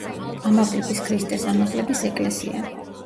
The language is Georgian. ამაღლების ქრისტეს ამაღლების ეკლესია.